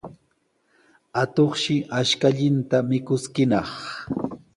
Atuqshi ashkallanta mikuskinaq.